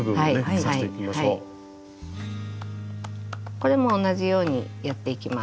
これも同じようにやっていきます。